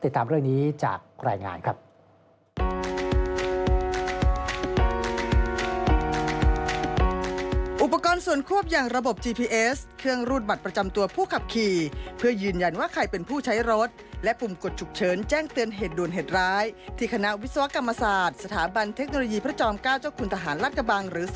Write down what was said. ตามเรื่องนี้จากรายงานครับ